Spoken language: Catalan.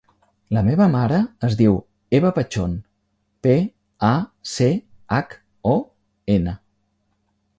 La meva mare es diu Eva Pachon: pe, a, ce, hac, o, ena.